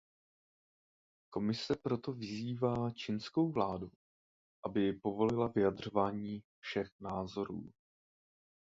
Komise proto vyzývá čínskou vládu, aby povolila vyjadřování všech názorů.